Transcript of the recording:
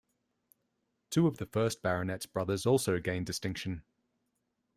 Two of the first Baronet's brothers also gained distinction.